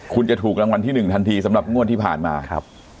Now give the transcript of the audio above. คุณจะถูกรางวัลที่๑ทันทีสำหรับงวดที่ผ่านมาครับ